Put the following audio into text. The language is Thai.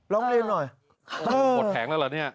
ร้องเรียนหน่อยหมดแผงแล้วเหรอเนี่ย